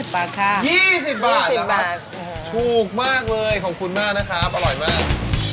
ราคา๒๐บาทถูกมากเลยขอบคุณมากนะครับอร่อยมาก